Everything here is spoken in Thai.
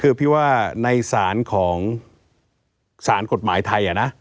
คือพี่ว่าในสารของสารกฎหมายไทยนะ